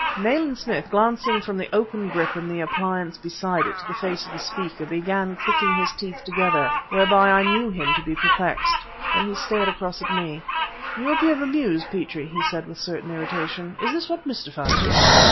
Nayland Smith, glancing from the open grip and the appliance beside it to the face of the speaker, began clicking his teeth together, whereby I knew him to be perplexed. Then he stared across at me. "You appear bemused, Petrie," he said, with a certain irritation. "Is this what mystifies you?"